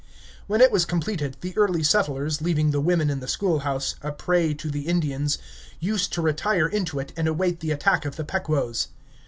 When it was completed, the Early Settlers, leaving the women in the schoolhouse, a prey to the Indians, used to retire into it, and await the attack of the Pequots.